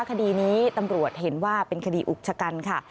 คดีนี้ตำรวจเห็นว่าเป็นคดีอุกชะกันค่ะ